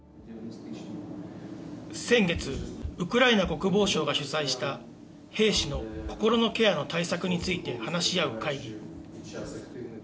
先月、ウクライナ国防省が主催した、兵士の心のケアの対策について話し合う会議。